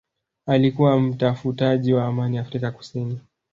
alikuwa mtafutaji wa amani Afrika Kusini